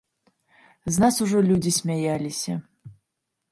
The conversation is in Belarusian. З нас ужо людзі смяяліся.